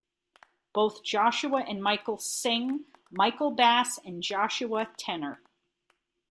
Both Joshua and Michael sing, Michael bass and Joshua tenor.